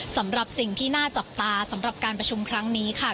สำหรับสิ่งที่น่าจับตาสำหรับการประชุมครั้งนี้ค่ะ